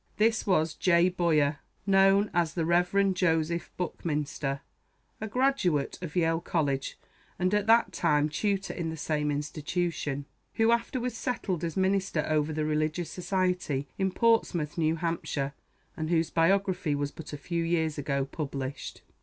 This was "J. Boyer," known as the Rev. Joseph Buckminster, a graduate of Yale College, and at that time tutor in the same institution, who afterwards settled as minister over the religions society in Portsmouth, New Hampshire, and whose Biography was but a few years ago published.